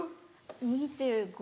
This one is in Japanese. ２５。